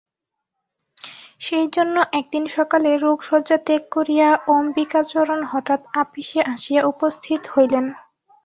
সেইজন্য একদিন সকালে রোগশয্যা ত্যাগ করিয়া অম্বিকাচরণ হঠাৎ আপিসে আসিয়া উপস্থিত হইলেন।